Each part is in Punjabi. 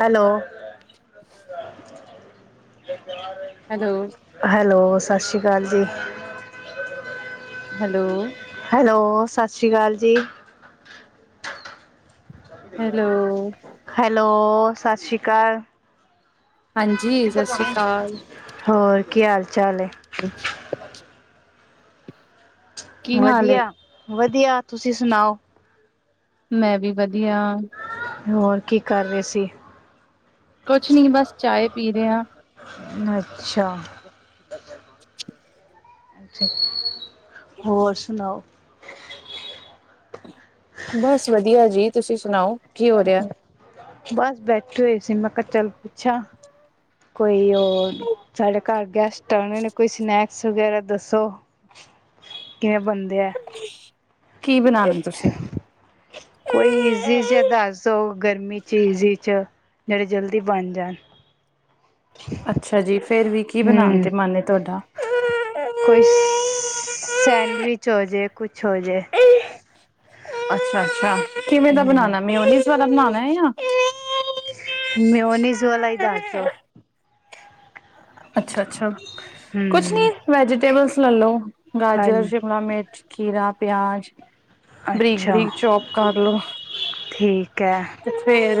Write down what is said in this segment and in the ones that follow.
ਹੈਲੋ। ਹੈਲੋ। ਹੈਲੋ, ਸਤਿ ਸ਼੍ਰੀ ਅਕਾਲ ਜੀ। ਹੈਲੋ। ਹੈਲੋ, ਸਤਿ ਸ਼੍ਰੀ ਅਕਾਲ ਜੀ। ਹੈਲੋ। ਹੈਲੋ, ਸਤਿ ਸ਼੍ਰੀ ਅਕਾਲ। ਹਾਂਜੀ ਸਤਿ ਸ੍ਰੀ ਅਕਾਲ ਹੋਰ, ਕੀ ਹਾਲ ਚਾਲ ਹੈ? ਅੱਛਾ। [unintelligible] ਕੀ ਹਾਲ ਏ ਵਧੀਆ, ਵਧੀਆ ਤੁਸੀਂ ਸੁਣਾਓ? ਮੈਂ, ਵੀ ਵਧੀਆ। ਹੋਰ, ਕੀ ਕਰ ਰਹੇ ਸੀ? ਕੁਝ ਨੀ ਬਸ, ਚਾਹ ਪੀ ਰਹੇ ਹਾਂ। ਅੱਛਾ। [unintelligible] [unintelligible] ਹੋਰ ਸੁਣਾਓ? ਬਸ ਵਧੀਆ ਜੀ, ਤੁਸੀਂ ਸੁਣਾਓ? ਕੀ ਹੋ ਰਿਹਾ ਬਸ, ਬੈਠੇ ਹੋਏ ਸੀ ਮੈਂ ਕਿਹਾ, ਚਲ ਪੁੱਛਾਂ। ਕੋਈ ਉਹ, ਸਾਡੇ ਘਰ ਗੈਸਟ ਤਾਇਨਾ ਨੂੰ ਕੋਈ ਸਨੈਕਸ ਵਗੈਰਾ ਦੱਸੋ ਕਿਵੇਂ ਬਣਦੇ ਆ? ਕੀ ਬਣਾ ਲਿਆ ਤੁਸੀਂ? ਹੂੰ। [unintelligible] ਕੋਈ ਈਜ਼ੀ ਜਾ ਦੱਸ ਦਿਓ, ਗਰਮੀ ਚ ਈਜ਼ੀ ਚ, ਜਿਹੜੇ ਜਲਦੀ ਬਣ ਜਾਣ। ਅੱਛਾ ਜੀ, ਫੇਰ ਵੀ ਕੀ ਬਣਾਉਣ ਹੂੰ, ਤੇ ਮਨ ਤੁਹਾਡਾ ਹੈ? ਕੋਈ, ਸੈਂਡਵਿਚ ਹੋ ਜੇ, ਕੁਛ ਹੋ ਜੇ। ਅੱਛਾ, ਅੱਛਾ ਕਿਵੇਂ ਦਾ ਹੂੰ, ਬਣਾਉਣਾ? ਮਿਓਨੀਜ਼ ਵਾਲਾ ਬਣਾਉਣਾ ਹੈ ਜਾਂ ਮਿਓਨੀਜ਼, ਵਾਲਾ ਹੀ ਦੱਸ ਦੋ। ਅੱਛਾ, ਅੱਛਾ ਕੁਛ ਹੂੰ, ਨੀ ਵੈਜੀਟੇਬਲਸ ਲੈਲੋ। ਗਾਜਰਾਂ, ਹਾਂਜੀ ਸ਼ਿਮਲਾ ਮਿਰਚ। ਖੀਰਾ, ਪਿਆਜ਼। ਬਰੀਕ, ਅੱਛਾ ਬਰੀਕ ਚੌਪ ਕਰ ਲੋੋ। ਠੀਕ ਹੈ ਫਿਰ,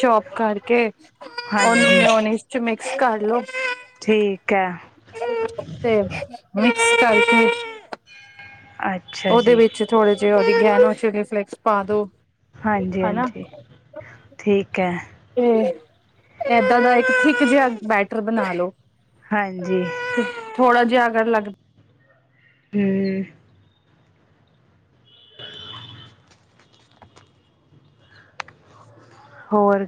ਚੋਪ ਕਰਕੇ ਉਹਨੂੰ ਹਾਂਜੀ ਮਿਓਨਿਸ ਚ ਮਿਕਸ ਕਰਲੋ। ਠੀਕ ਐ। ਤੇ ਮਿਕਸ ਕਰਕੇ ਅੱ ਉਹਦੇ ਵਿੱਚ ਥੋੜੇ ਜੇ ਓਰਗੇਨੋ ਚਿਲੀ ਫਲੇਕਸ ਪਾ ਦੋ। ਹਨਾ ਹਾਂਜੀ-ਹਾਂਜੀ, ਠੀਕ ਐ। ਤੇ ਏਦਾਂ ਦਾ ਇੱਕ ਥਿੱਕ ਜਿਹਾ ਬੈਟਰ ਬਣਾ ਲੋ। ਹਾਂਜੀ। ਥੋੜ੍ਹਾ ਜਾ ਅਗਰ ਲੱਗ ਹੂੰ, ਹੋਰ,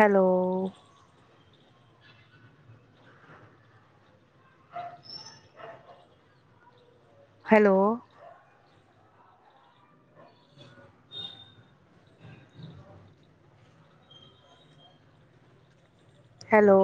ਹੈਲੋ [unintelligible] ਹੈਲੋ, ਹੈਲੋ,